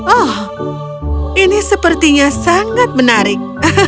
oh ini sepertinya sangat menarik